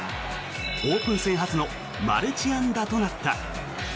オープン戦初のマルチ安打となった。